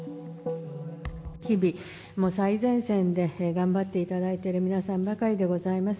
日々、最前線で頑張っていただいている皆さんばかりでございます。